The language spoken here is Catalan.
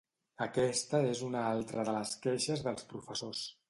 Aquesta és una altra de les queixes dels professors.